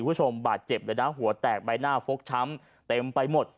คุณผู้ชมบาดเจ็บเลยนะหัวแตกใบหน้าฟกช้ำเต็มไปหมด